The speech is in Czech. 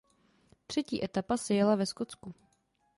Třetí etapa se jela ve Skotsku.